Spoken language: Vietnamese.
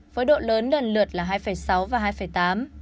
với độ lớn lần lượt